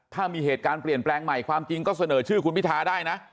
ถ้ามีเหตุการณ์เปลี่ยนแปลงใหม่ความจริงก็เสนอชื่อคุณพิทาได้นะ